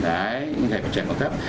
đấy như vậy có trận bỏ cấp